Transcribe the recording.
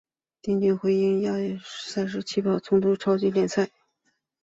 丁俊晖因亚运会赛程冲突退出超级联赛。